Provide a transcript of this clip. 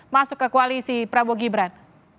masuk ke koalisi prabowo gibran